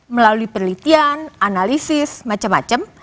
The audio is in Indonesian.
melalui penelitian analisis macam macam